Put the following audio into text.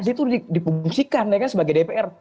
dia itu dipungsikan ya kan sebagai dpr